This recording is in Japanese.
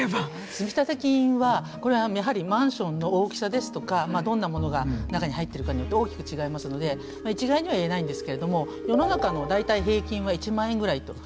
積立金はこれはやはりマンションの大きさですとかどんなものが中に入ってるかによって大きく違いますので一概には言えないんですけれども世の中の大体平均は１万円ぐらいというふうにいわれています。